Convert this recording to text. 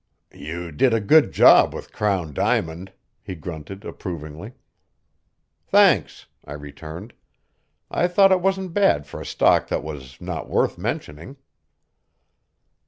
"You did a good job with Crown Diamond," he grunted approvingly. "Thanks," I returned. "I thought it wasn't bad for a stock that was not worth mentioning."